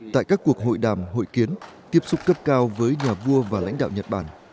tại các cuộc hội đàm hội kiến tiếp xúc cấp cao với nhà vua và lãnh đạo nhật bản